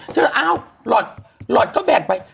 เขา้าวลอร์ทเขาแบกไป